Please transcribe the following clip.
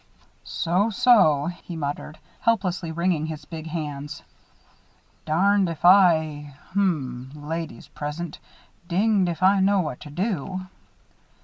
"So, so," he muttered, helplessly wringing his big hands. "Darned if I hum, ladies present dinged if I know what to do."